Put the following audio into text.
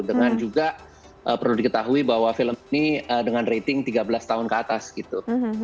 dengan juga perlu diketahui bahwa film ini dengan rating tiga belas tahun ke atas gitu